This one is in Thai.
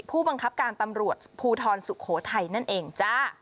ผู้บังคับการตำรวจภูทรสุโขทัยนั่นเองจ้า